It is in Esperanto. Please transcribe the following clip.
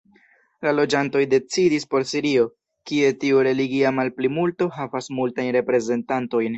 La loĝantoj decidis por Sirio, kie tiu religia malplimulto havas multajn reprezentantojn.